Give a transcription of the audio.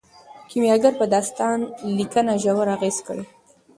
کیمیاګر په داستان لیکنه ژور اغیز کړی دی.